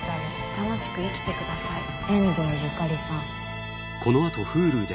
楽しく生きて下さい遠藤由香里さん。